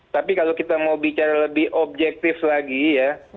tapi kalau kita mau bicara lebih objektif lagi ya